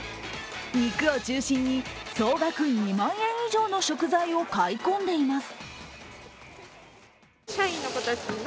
肉を中心に総額２万円以上の食材を買い込んでいます。